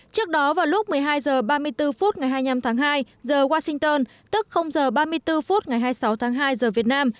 trước đó vào lúc một mươi hai h ba mươi bốn phút ngày hai mươi năm tháng hai giờ washington tức h ba mươi bốn phút ngày hai mươi sáu tháng hai giờ việt nam